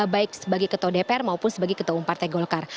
baik sebagai ketua dpr maupun sebagai ketua umum partai golkar